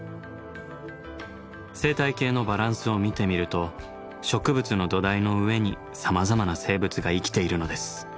生態系のバランスを見てみると植物の土台の上にさまざまな生物が生きているのです。